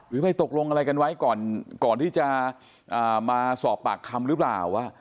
ไปตกลงอะไรกันไว้ก่อนที่จะมาสอบปากคำหรือเปล่า